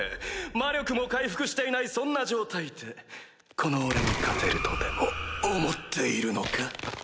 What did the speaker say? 魔力も回復していないそんな状態でこの俺に勝てるとでも思っているのか？